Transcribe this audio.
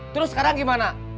terus sekarang gimana